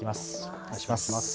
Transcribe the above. お願いします。